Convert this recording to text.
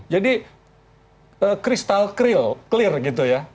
jadi kristal clear gitu ya